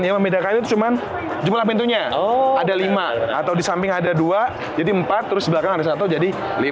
yang membedakan itu cuma jumlah pintunya ada lima atau di samping ada dua jadi empat terus belakang ada satu jadi lima